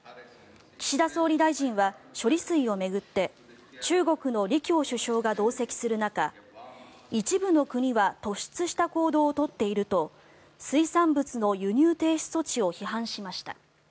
岸田総理大臣は処理水を巡って中国の李強首相が同席する中一部の国は突出した行動を取っていると水産物の輸入停止措置を批判しました。